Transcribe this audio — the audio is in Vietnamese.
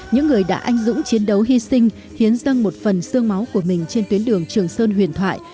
những người đã anh dũng chiến đấu hy sinh hiến dâng một phần sương máu của mình trên tuyến đường trường sơn huyền thoại